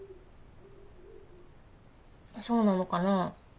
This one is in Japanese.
そうなのかな？